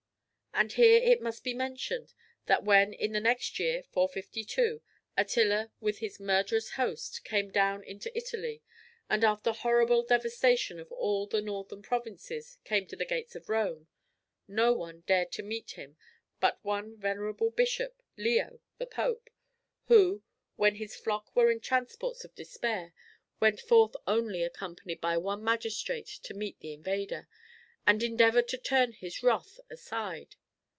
And here it must be mentioned that when in the next year, 452, Attila with his murderous host, came down into Italy, and after horrible devastation of all the northern provinces, came to the gates of Rome, no one dared to meet him but one venerable bishop, Leo, the Pope, who, when his flock were in transports of despair, went forth only accompanied by one magistrate to meet the invader, and endeavored to turn his wrath aside.